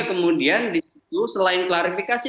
kemudian disitu selain klarifikasi